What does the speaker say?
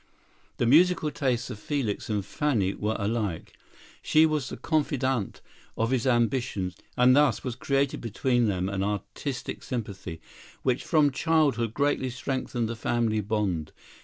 The musical tastes of Felix and Fanny were alike: she was the confidante of his ambitions, and thus was created between them an artistic sympathy, which from childhood greatly strengthened the family bond.